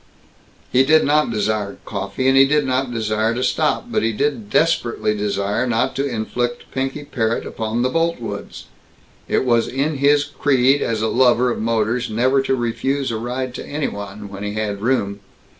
He did not desire coffee, and he did not desire to stop, but he did desperately desire not to inflict Pinky Parrott upon the Boltwoods. It was in his creed as a lover of motors never to refuse a ride to any one, when he had room.